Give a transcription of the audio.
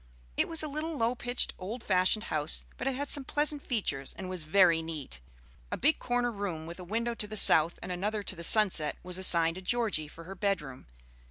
It was a little low pitched, old fashioned house, but it had some pleasant features, and was very neat. A big corner room with a window to the south and another to the sunset was assigned to Georgie for her bedroom.